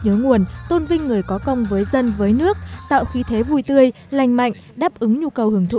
nhớ nguồn tôn vinh người có công với dân với nước tạo khí thế vui tươi lành mạnh đáp ứng nhu cầu hưởng thụ